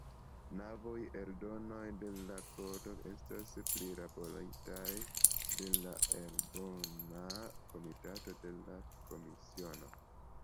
Novaj eldonoj de la Kodo estas prilaboritaj de la Eldona Komitato de la Komisiono.